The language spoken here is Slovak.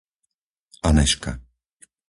Anežka